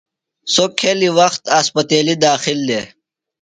سوۡ کھیۡلیۡ وخت اسپتیلیۡ داخل دےۡ۔